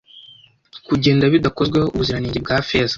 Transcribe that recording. Kugenda bidakozweho ubuziranenge bwa feza